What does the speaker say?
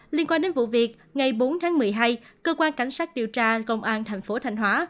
liên quan đến vụ việc ngày bốn tháng một mươi hai cơ quan cảnh sát điều tra công an tp thành hóa